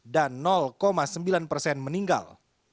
dan sembilan persen meninggal